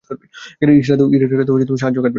ইশারাতেও সাহায্য খাটবে না।